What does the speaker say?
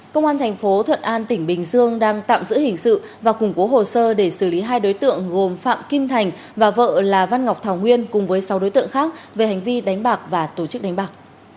công an thành phố thuận an tỉnh bình dương đang tạm giữ hình sự và củng cố hồ sơ để xử lý hai đối tượng gồm phạm kim thành và vợ là văn ngọc thảo nguyên cùng với sáu đối tượng khác về hành vi đánh bạc và tổ chức đánh bạc